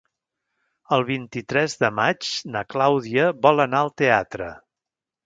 El vint-i-tres de maig na Clàudia vol anar al teatre.